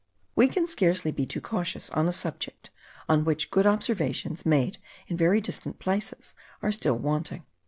We can scarcely be too cautious on a subject, on which good observations made in very distant places are still wanting.